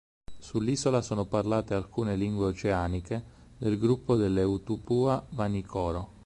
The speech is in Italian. Sull'isola sono parlate alcune lingue oceaniche del gruppo delle Utupua-Vanikoro.